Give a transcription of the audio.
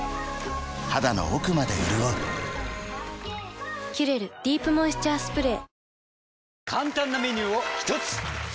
肌の奥まで潤う「キュレルディープモイスチャースプレー」